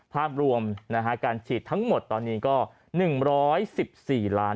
ภาพรวมการฉีดทั้งหมดตอนนี้ก็๑๑๔ล้าน